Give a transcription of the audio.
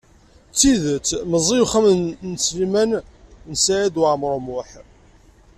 D tidet, meẓẓi uxxam n Sliman U Saɛid Waɛmaṛ U Muḥ.